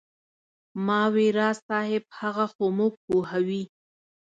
ما وې راز صاحب هغه خو موږ پوهوي.